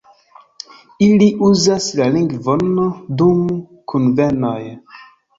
Ili uzas la lingvon dum kunvenoj.